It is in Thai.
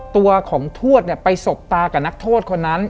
ตัวของทวดเนี่ยไปสบตากับนักโทษคนนั้น